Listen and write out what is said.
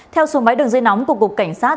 theo số máy đường dây nóng của cục cảnh sát